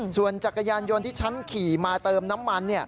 ส่วนจักรยานยนต์ที่ฉันขี่มาเติมน้ำมัน